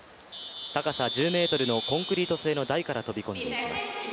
高さ１０ｍのコンクリート製の台から飛び込んでいきます。